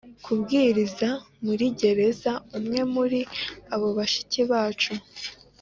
kubwiriza muri gereza Umwe muri abo bashiki bacu